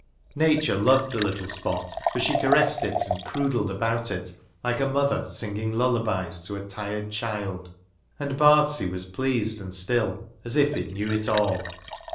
Nature loved the little spot, for she caressed it and croodled about it, like a mother singing lullabies to a tired child. And Bardsea was pleased and still, as if it knew it all.